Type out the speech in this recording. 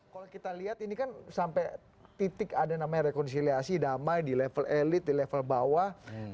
kalau kita lihat ini kan sampai titik ada namanya rekonsiliasi damai di level elit di level bawah